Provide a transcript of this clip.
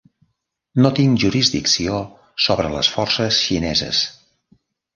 No tinc jurisdicció sobre les forces xineses.